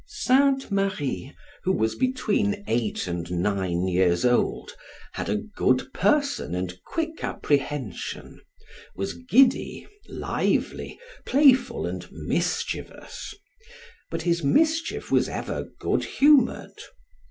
St. Marie, who was between eight and nine years old, had a good person and quick apprehension, was giddy, lively, playful and mischievous; but his mischief was ever good humored.